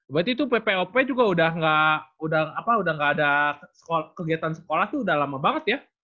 berarti itu ppop juga udah gak ada kegiatan sekolah tuh udah lama banget ya